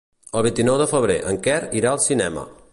El vint-i-nou de febrer en Quer irà al cinema.